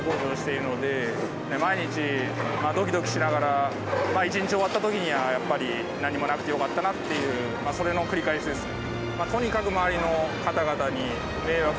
やはりこの一日終わったときにはやっぱり何もなくてよかったなっていうそれの繰り返しですね。